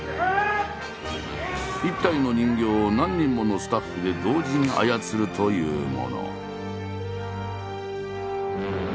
一体の人形を何人ものスタッフで同時に操るというもの。